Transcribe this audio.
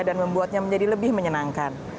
dan membuatnya menjadi lebih menyenangkan